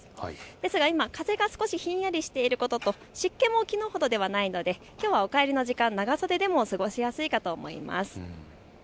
ですが今、風が少しひんやりしていることと、湿気もきのうほどではないので、きょうはお帰りの時間、長袖でも過ごしやすいかと思います。